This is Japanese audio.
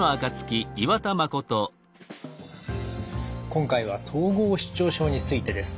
今回は統合失調症についてです。